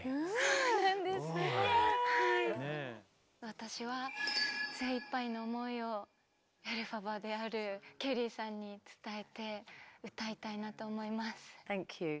私は精いっぱいの思いをエルファバであるケリーさんに伝えて歌いたいなと思います。